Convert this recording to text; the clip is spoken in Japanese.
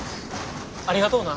ありがとうな。